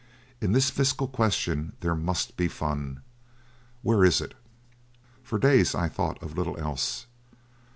In this Fiscal question there must be fun. Where is it? For days I thought of little else.